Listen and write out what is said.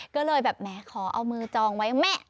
ก็เลยแบบแหมขอเอามือจองไว้แม่